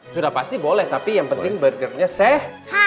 sudah pasti boleh tapi yang penting burgernya sah